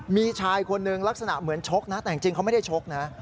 มีชายคนหนึ่งลักษณะเหมือนชกนะแต่จริงเขาไม่ได้ชกนะ